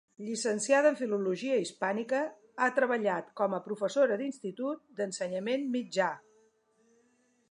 Llicenciada en filologia hispànica, ha treballat com a professora d'institut d'ensenyament mitjà.